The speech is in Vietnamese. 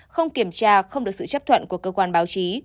không kiểm tra không được sự chấp thuận của cơ quan báo chí